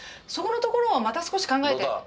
そこのところをまた少し考えて。